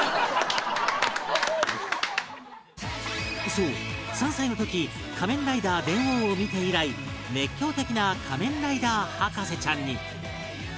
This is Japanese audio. そう３歳の時『仮面ライダー電王』を見て以来熱狂的な仮面ライダー博士ちゃんに